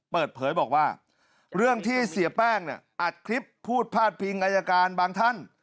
เปิดเผยบอกว่าเรื่องที่เสียแป้งเนี่ยอัดคลิปพูดพาดพิงอายการบางท่าน